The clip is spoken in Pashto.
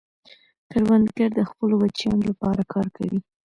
کروندګر د خپلو بچیانو لپاره کار کوي